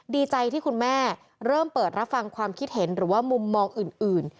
ดีใจที่คุณแม่เริ่มเปิดรับฟังความคิดเห็นหรือว่ามุมมองอื่น